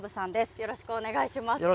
よろしくお願いします。